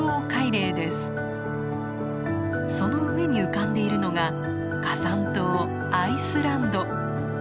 その上に浮かんでいるのが火山島アイスランド。